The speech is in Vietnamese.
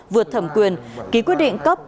vượt thẩm quyền ký quyết định cấp